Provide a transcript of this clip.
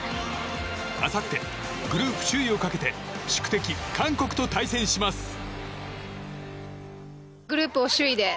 あさって、グループ首位をかけて宿敵・韓国と対戦します。